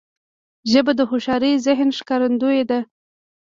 ژبه د هوښیار ذهن ښکارندوی ده